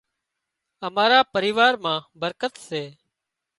امارا پريوا مان برڪت سي